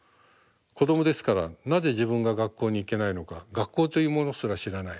子どもですからなぜ自分が学校に行けないのか学校というものすら知らない。